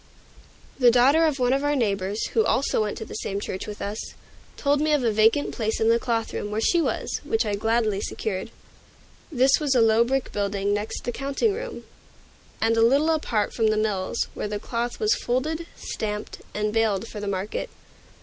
The daughter of one of our neighbors, who also went to the same church with us, told me of a vacant place in the cloth room, where she was, which I gladly secured. This was a low brick building next the counting room, and a little apart from the mills, where the cloth was folded, stamped, and baled for the market.